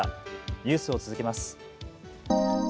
ニュースを続けます。